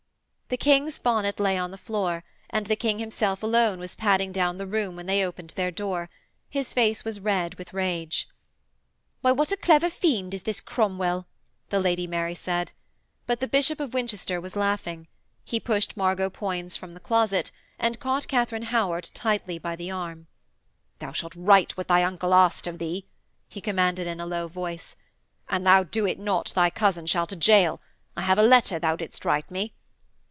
The King's bonnet lay on the floor, and the King himself alone was padding down the room when they opened their door. His face was red with rage. 'Why, what a clever fiend is this Cromwell!' the Lady Mary said; but the Bishop of Winchester was laughing. He pushed Margot Poins from the closet, but caught Katharine Howard tightly by the arm. 'Thou shalt write what thy uncle asked of thee!' he commanded in a low voice, 'an thou do it not, thy cousin shall to gaol! I have a letter thou didst write me.'